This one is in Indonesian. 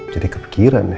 jadi kepikiran ya